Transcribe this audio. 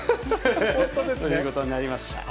本当ですね。ということになりました。